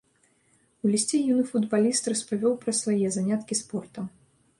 У лісце юны футбаліст распавёў пра свае заняткі спортам.